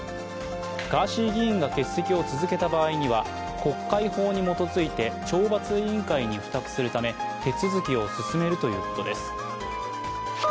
ガーシー議員が欠席を続けた場合には国会法に基づいて懲罰委員会に付託するため、手続きを進めるということです。